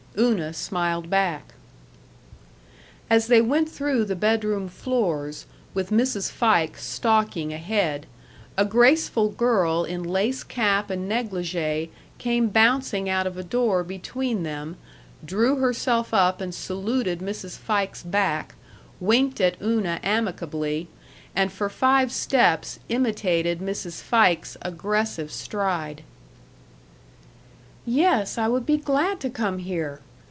Una smiled back. As they went through the bedroom floors, with Mrs. Fike stalking ahead, a graceful girl in lace cap and negligée came bouncing out of a door between them, drew herself up and saluted Mrs. Fike's back, winked at Una amicably, and for five steps imitated Mrs. Fike's aggressive stride. "Yes, I would be glad to come here!"